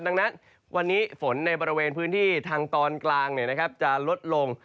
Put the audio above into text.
ดังนั้นวันนี้ฝนในบริเวณพื้นที่ทางตอนกลางจะลดลง